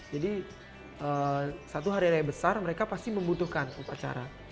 jadi satu hari raya besar mereka pasti membutuhkan upacara